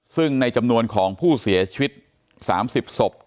ซึ่งในจำนวนของผู้เสียชีวิต๓๐ศพ